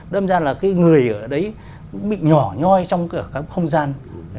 đâm ra là cái người ở đấy bị nhỏ nhoi trong cái không gian